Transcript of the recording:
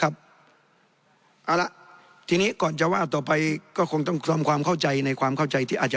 เอาละทีนี้ก่อนจะว่าต่อไปก็คงต้องทำความเข้าใจในความเข้าใจที่อาจจะ